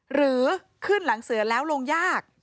หรือขึ้นหลังเสือแล้วลงยาก